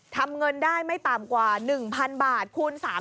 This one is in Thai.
ทำเงินได้ไม่ต่ำกว่า๑๐๐๐บาทคูณ